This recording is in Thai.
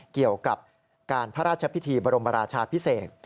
เกี่ยวกับการพระราชพิธีบรมราชาพิเศษ